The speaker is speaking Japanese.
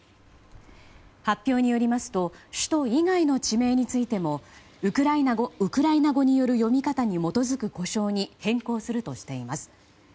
発表によりますと首都以外の地名についてもウクライナ語による読み方に基づく呼称に変更するとしています。